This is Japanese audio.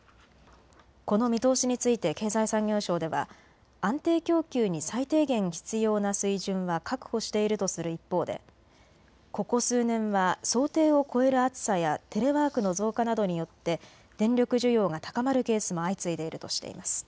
この見通しについて経済産業省では安定供給に最低限必要な水準は確保しているとする一方で、ここ数年は想定を超える暑さやテレワークの増加などによって電力需要が高まるケースも相次いでいるとしています。